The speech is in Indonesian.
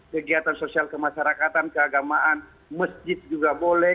kegiatan sosial kemasyarakatan keagamaan masjid juga boleh